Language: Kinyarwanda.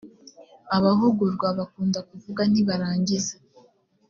abahugurwa bakunda kuvuga ntibarangize